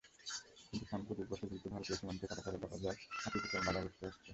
কিন্তু সাম্প্রতিক বছরগুলোতে ভারতীয় সীমান্তে কাঁটাতারের বেড়া দেওয়ায় হাতির বিচরণ বাধাগ্রস্ত হচ্ছে।